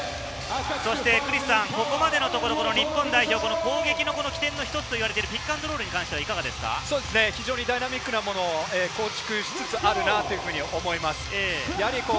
ここまでのところ日本代表、攻撃の起点の一つと言われているピックアンドロールはいかが非常にダイナミックなものを構築しつつあるなと思います。